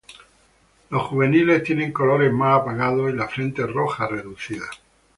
Los juveniles tienen colores más apagados y la frente roja reducida.